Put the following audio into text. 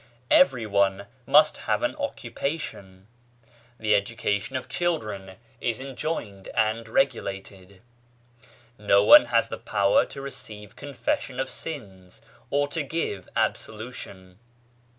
Everyone must have an occupation. The education of children is enjoined and regulated. No one has the power to receive confession of sins, or to give absolution.